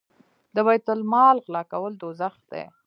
د بیت المال غلا کول دوزخ دی.